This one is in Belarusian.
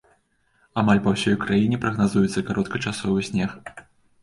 Амаль па ўсёй краіне прагназуецца кароткачасовы снег.